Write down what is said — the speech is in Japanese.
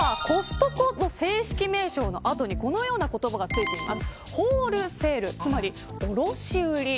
実はコストコの正式名称の後にこのような言葉が付いています。